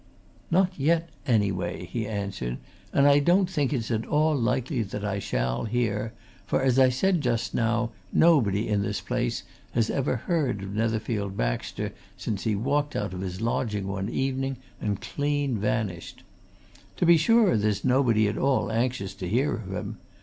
"Not yet, anyway," he answered. "And I don't think it's at all likely that I shall, here, for, as I said just now, nobody in this place has ever heard of Netherfield Baxter since he walked out of his lodging one evening and clean vanished. To be sure, there's been nobody at all anxious to hear of him.